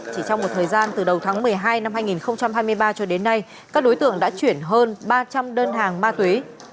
chỉ trong một thời gian từ đầu tháng một mươi hai năm hai nghìn hai mươi ba cho đến nay các đối tượng đã chuyển hơn ba trăm linh đơn hàng ma túy